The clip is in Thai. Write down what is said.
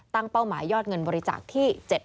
เป้าหมายยอดเงินบริจาคที่๗๐